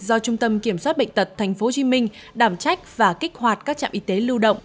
do trung tâm kiểm soát bệnh tật tp hcm đảm trách và kích hoạt các trạm y tế lưu động